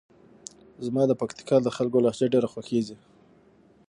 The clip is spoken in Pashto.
زما د پکتیکا د خلکو لهجه ډېره خوښیږي.